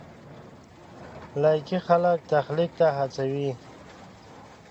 لایکي خلک تخلیق ته هڅوي.